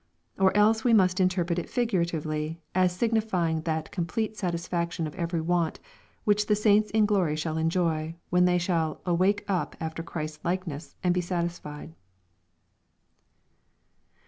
Or else we must interpret it fig uratively, as signifying that complete satisfaction of every want^ which the saints in glory shall enjoy, when they shall " awake up after Christ's Hkeness and be satisfied."